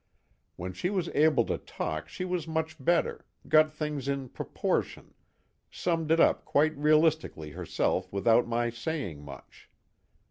When she was able to talk she was much better, got things in proportion, summed it up quite realistically herself without my saying much.